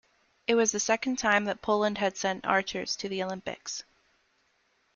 It was the second time that Poland had sent archers to the Olympics.